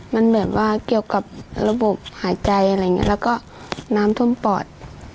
มันแบบว่าเกี่ยวกับระบบหายใจอะไรอย่างนี้แล้วก็น้ำท่วมปอด